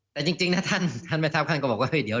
แต่จริงนะท่านแม่ทัพของท่านก็บอกเดี๋ยว